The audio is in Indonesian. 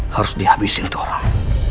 harus dihabisin tuh orang